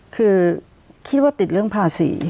คือคิดว่าติดเรื่องภาษี